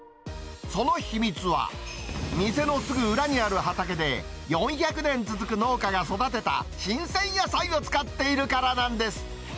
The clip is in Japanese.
その秘密は、店のすぐ裏にある畑で、４００年続く農家が育てた新鮮野菜を使っているからなんです。